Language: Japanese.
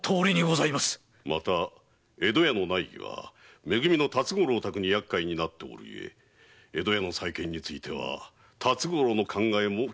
また江戸屋の内儀はめ組の辰五郎宅に厄介になっておる故江戸屋の再建については辰五郎の考えも聞くがよい。